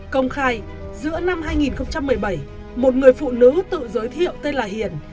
công khai giữa năm hai nghìn một mươi bảy một người phụ nữ tự giới thiệu tên là hiền